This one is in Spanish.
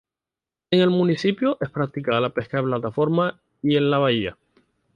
En el municipio es practicada la pesca de plataforma y en la bahía.